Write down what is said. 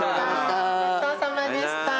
ごちそうさまでした。